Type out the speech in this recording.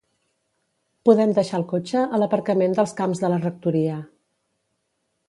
Podem deixar el cotxe a l'aparcament dels camps de la Rectoria